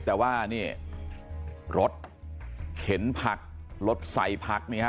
แต่ว่านี่รถเข็นผักรถใส่ผักนี่ฮะ